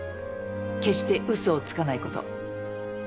決してうそをつかないこと。